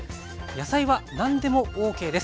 野菜は何でもＯＫです。